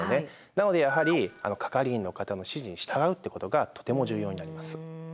なのでやはり係員の方の指示に従うっていうことがとても重要になります。